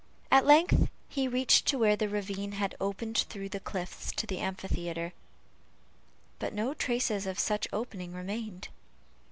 At length he reached to where the ravine had opened through the cliffs to the amphitheatre; but no traces of such opening remained.